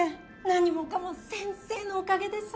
何もかも先生のおかげです。